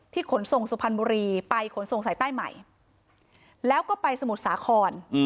ขนส่งสุพรรณบุรีไปขนส่งสายใต้ใหม่แล้วก็ไปสมุทรสาคร